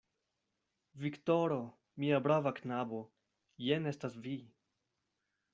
Viktoro! mia brava knabo, jen estas vi!